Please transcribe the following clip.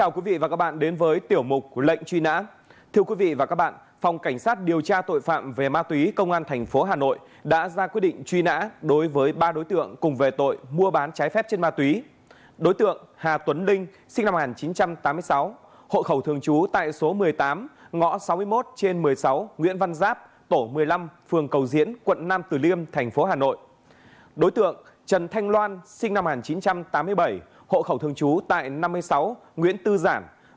chào mừng quý vị đến với tiểu mục lệnh truy nã